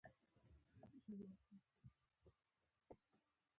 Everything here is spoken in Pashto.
په ښوونځیو کې د ماشومانو د شاملېدو کچه لوړه شوه.